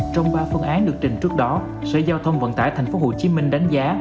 trong ba phương án được trình trước đó sở giao thông vận tải tp hcm đánh giá